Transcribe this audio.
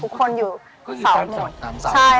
ชื่องนี้ชื่องนี้ชื่องนี้ชื่องนี้ชื่องนี้ชื่องนี้